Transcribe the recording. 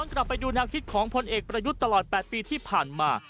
คุณนามคิดของพลเอกประยุทธ์ตลอด๘ปีที่ผ่านมา